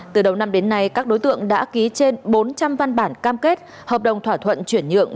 từ đầu năm đến nay các đối tượng đã ký trên bốn trăm linh văn bản cam kết hợp đồng thỏa thuận chuyển nhượng